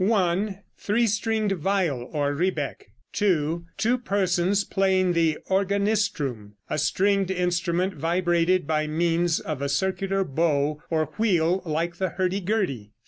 (1) Three stringed viol or rebec. (2) Two persons playing the organistrum, a stringed instrument vibrated by means of a circular bow or wheel, like the hurdy gurdy.